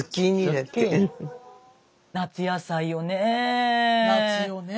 夏野菜よね。